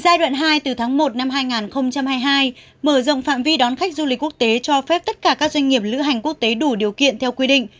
giai đoạn hai từ tháng một năm hai nghìn hai mươi hai mở rộng phạm vi đón khách du lịch quốc tế cho phép tất cả các doanh nghiệp lữ hành quốc tế đủ điều kiện theo quy định